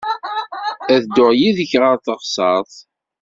Ad dduɣ yid-k ɣer teɣsert.